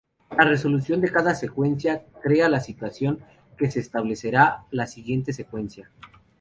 La resolución de cada secuencia crea la situación que se establecerá la siguiente secuencia.